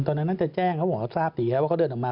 ตอนนั้นน่าจะแจ้งเพราะหมอทราบสิครับว่าเขาเดินออกมา